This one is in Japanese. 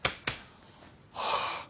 はあ。